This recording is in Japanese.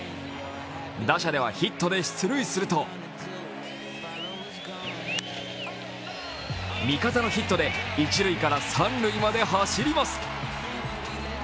打者ではヒットで出塁すると味方のヒットで一塁から三塁まで走ります。